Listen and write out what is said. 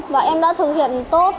và em đã thường hiện tốt